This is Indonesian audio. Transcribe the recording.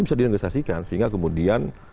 bisa dinegosiasikan sehingga kemudian